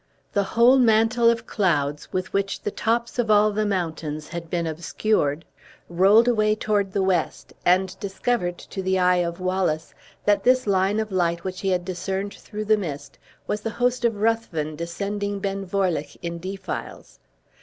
The whole mantle of clouds, with which the tops of all the mountains had been obscured, rolled away toward the west, and discovered to the eye of Wallace that this line of light which he had discerned through the mist, was the host of Ruthven descending Ben Vorlich in defiles.